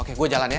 oke gue jalan ya